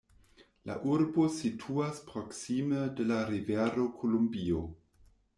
La urbo situas proksime de la Rivero Kolumbio.